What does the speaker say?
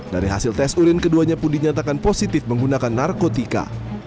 dari hasil tes urin keduanya pun dinyatakan positif menggunakan narkotika